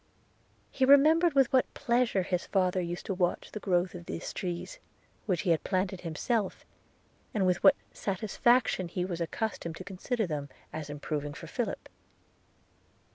He remembered with what pleasure his father used to watch the growth of these trees, which he had planted himself; and with what satisfaction he was accustomed to consider them, as improving for Philip.